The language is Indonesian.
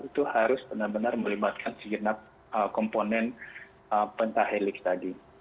itu harus benar benar melibatkan sejenak komponen pentah helix tadi